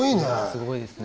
すごいですね。